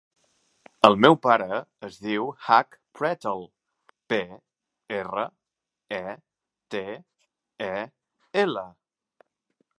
El meu pare es diu Hug Pretel: pe, erra, e, te, e, ela.